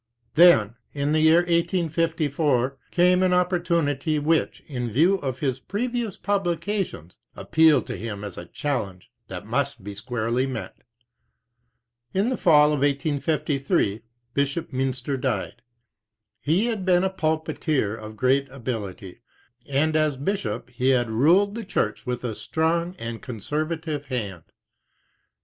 Then, in the year 1854, came an opportunity which, in view of his previous publications, appealed to him as a challenge that must be squarely met. In the fall of 1853, Bishop Mynster died. He had been a pulpiteer of great ability, and as bishop he had ruled the church with a strong and conservative hand.